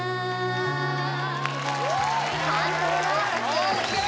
ＯＫ